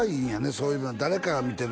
そういうのを誰かが見てる